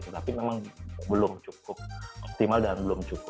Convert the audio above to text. tapi memang belum cukup optimal dan belum cukup